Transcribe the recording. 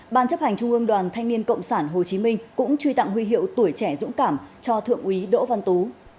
ban chấp hành trung ương đoàn thanh niên cộng sản hồ chí minh cũng truy tặng huy hiệu tuổi trẻ dũng cảm cho thượng úy đỗ văn tú